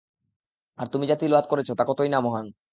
আর তুমি যা তিলাওয়াত করেছ তা কতোই না মহান!